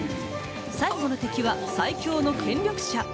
最後の敵は最強の権力者。